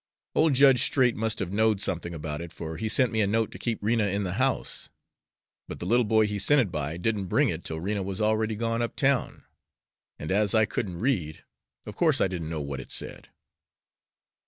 Old Judge Straight must have knowed something about it, for he sent me a note to keep Rena in the house, but the little boy he sent it by didn't bring it till Rena was already gone up town, and, as I couldn't read, of course I didn't know what it said.